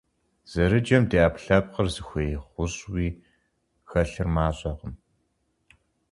Зэрыджэм ди Ӏэпкълъэпкъыр зыхуей гъущӀуи хэлъыр мащӀэкъым.